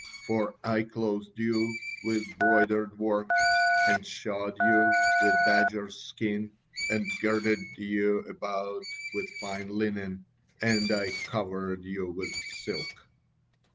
For 'I clothed you with broidered work, and shod you with badgers' skins, and girded you about with fine linen, and I covered you with silk.